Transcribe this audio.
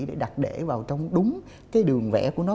để đặt để vào trong đúng cái đường vẽ của nó